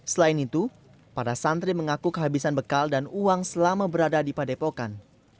selain itu para santri mengaku kehabisan bekal dan uang selama berada di padepokan